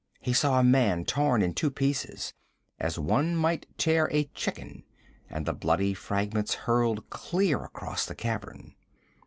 He saw a man torn in two pieces, as one might tear a chicken, and the bloody fragments hurled clear across the cavern.